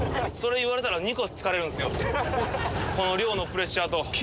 この漁のプレッシャーと。